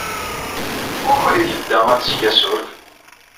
Wukud ay tedda ad teg asurf?